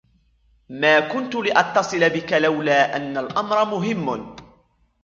ما كنت لأتصل بك لولا أن الأمر مهم.